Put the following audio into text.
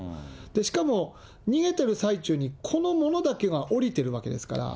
しかも逃げてる最中に、このものだけが降りてるわけですから。